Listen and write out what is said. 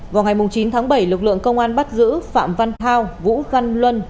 vào ngày chín tháng bảy lực lượng công an bắt giữ phạm văn thao vũ văn luân